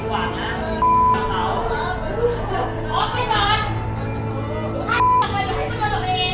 อย่าเอามันเดินเข้ามา